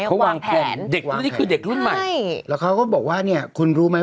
เขาวางแผนวางแผนใช่แล้วเขาก็บอกว่าเนี่ยคุณรู้ไหม